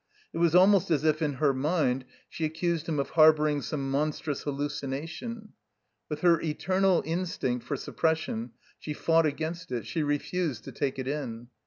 It was almost as if in her mind she accused him of harboring some monstrous hallucination. With her eternal instinct for sup pression she fought against it, she refused to take it in.